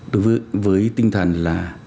đối với tinh thần là